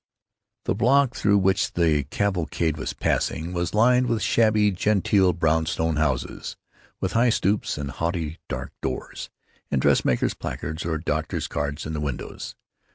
The block through which the cavalcade was passing was lined with shabby genteel brownstone houses, with high stoops and haughty dark doors, and dressmakers' placards or doctors' cards in the windows.